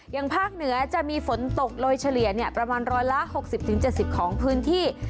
อย่างภาคเหนือจะมีฝนตกโรยเฉลี่ยเนี่ยประมาณร้อยละหกสิบถึงเจ็ดสิบของพื้นที่